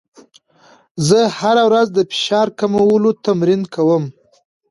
زه هره ورځ د فشار کمولو تمرین کوم.